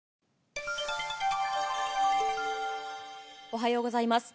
おはようございます。